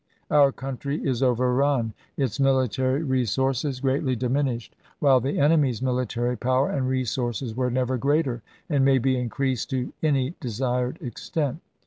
Our country is overrun, its military resources greatly diminished, while the enemy's military power and resources were never greater, and may be increased to any desired extent.